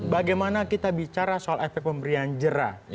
bagaimana kita bicara soal efek pemberian jera